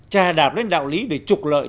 trà đạp lên đạo lý để trục lợi